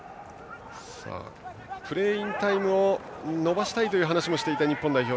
プレーインタイムを延ばしたいという話をしていた日本代表。